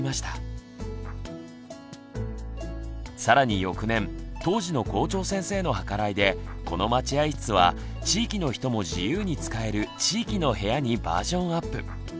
更に翌年当時の校長先生の計らいでこの「待合室」は地域の人も自由に使える「地域の部屋」にバージョンアップ。